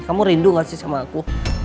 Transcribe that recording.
kamu rindu gak sih sama aku